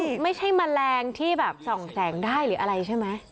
อันนี้ไม่ใช่แมลงที่ส่องแสงได้หรืออะไรใช่มะ